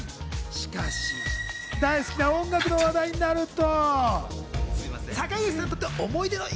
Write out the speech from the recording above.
しかし大好きな音楽の話題になると。